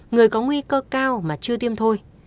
người có nguy cơ cao mà chưa tiêm thôi